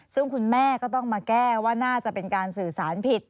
ซึ่งคุณแม่ก็ต้องมาแก้ว่าน่าจะเป็นการสื่อสารผิด